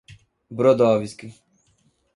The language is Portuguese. Brodowski